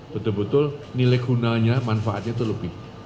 betul betul nilai gunanya manfaatnya itu lebih